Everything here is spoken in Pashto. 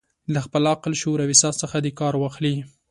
له خپل عقل، شعور او احساس څخه دې کار واخلي.